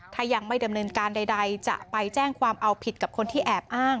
ถ้ายังไม่ดำเนินการใดจะไปแจ้งความเอาผิดกับคนที่แอบอ้าง